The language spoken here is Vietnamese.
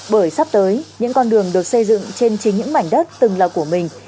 bởi sắp tới những con đường được xây dựng trên chính những mảnh đất từng là của mình